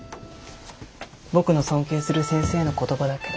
僕の尊敬する先生の言葉だけど。